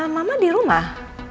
mama di rumah